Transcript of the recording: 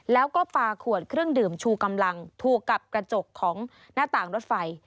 แล้วก็ปลาขวดเครื่องดื่มชูกำลังถูกกับกระจกของหน้าต่างรถไฟ